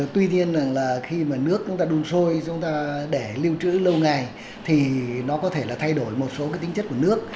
tuy nhiên là khi mà nước chúng ta đun sôi chúng ta để lưu trữ lâu ngày thì nó có thể là thay đổi một số cái tính chất của nước